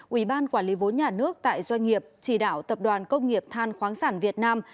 ủy ban quản lý vốn nhà nước tại doanh nghiệp chỉ đạo tập đoàn công nghiệp than khoáng sản việt nam